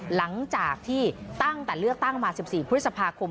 หลังจากที่ตั้งแต่เลือกตั้งมา๑๔พฤษภาคม